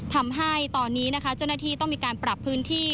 ทำให้ตอนนี้นะคะเจ้าหน้าที่ต้องมีการปรับพื้นที่